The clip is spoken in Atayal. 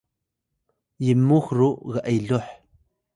yimux ru g’eloh